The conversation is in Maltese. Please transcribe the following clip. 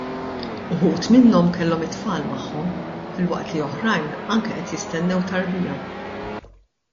Uħud minnhom kellhom it-tfal magħhom filwaqt li oħrajn anke qed jistennew tarbija.